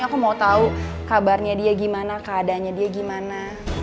aku mau tahu kabarnya dia gimana keadaannya dia gimana